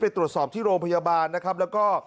ตรวจสอบที่โรงพยาบาลนะครับแล้วก็